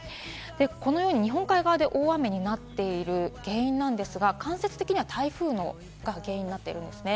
このように日本海側で大雨になっている原因なんですが、間接的には台風が原因になっているんですね。